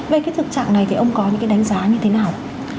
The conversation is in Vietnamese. về cái thực trạng này thì ông có những cái đánh giá như thế nào